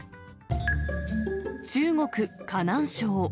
中国・河南省。